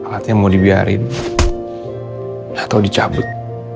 alatnya mau dibiarin atau dicabut